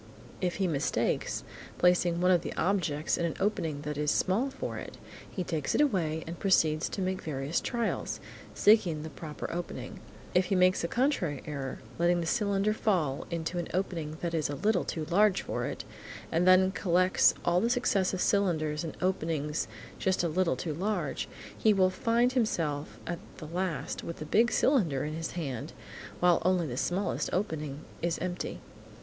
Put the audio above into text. If he mistakes, placing one of the objects in an opening that is small for it, he takes it away, and proceeds to make various trials, seeking the proper opening. If he makes a contrary error, letting the cylinder fall into an opening that is a little too large for it, and then collects all the successive cylinders in openings just a little too large, he will find himself at the last with the big cylinder in his hand while only the smallest opening is empty.